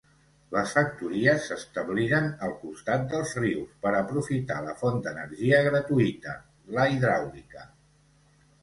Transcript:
Les factories s'establiren al costat dels rius per aprofitar la font d'energia gratuïta, la hidràulica.